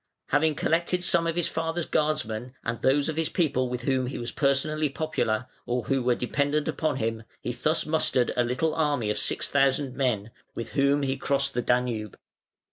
Having collected some of his father's guardsmen, and those of his people with whom he was personally popular, or who were dependent upon him, he thus mustered a little army of six thousand men, with whom he crossed the Danube.